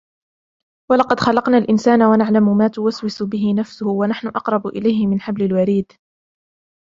ولقد خلقنا الإنسان ونعلم ما توسوس به نفسه ونحن أقرب إليه من حبل الوريد